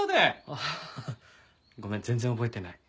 ああごめん全然覚えてない。